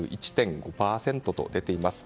７１．５％と出ています。